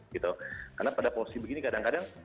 karena pada posisi begini kadang kadang